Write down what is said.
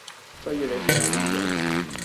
不如你睇下點整